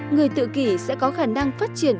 người tự kỷ sẽ có khả năng phát triển